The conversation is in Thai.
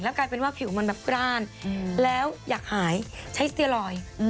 กลายเป็นว่าผิวมันแบบกล้านแล้วอยากหายใช้สเตียลอย